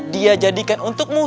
dia jadikan untukmu